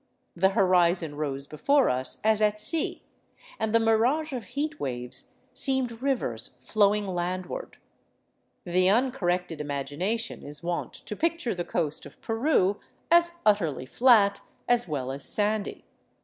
The horizon rose before us as at sea, and the mirage of heat waves seemed rivers flowing land ward. The uncorrected imagination is wont to picture the coast of Pern as utterly flat, as well as sandy.